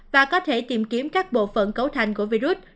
và có thể tìm kiếm các bộ phận cấu thành của virus